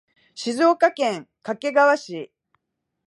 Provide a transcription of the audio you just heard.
静岡県掛川市